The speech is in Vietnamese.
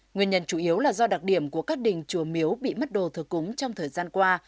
nguyên nhân chủ yếu là do đặc điểm của các đình chùa miếu bị mất đồ thờ cúng trong thời gian qua